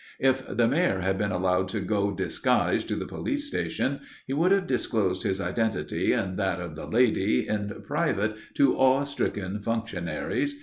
If the Mayor had been allowed to go disguised to the Police Station, he could have disclosed his identity and that of the lady in private to awe stricken functionaries.